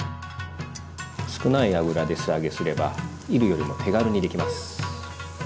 少ない油で素揚げすればいるよりも手軽にできます。